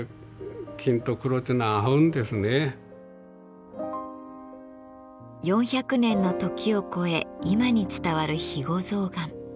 非常に４００年の時を超え今に伝わる肥後象がん。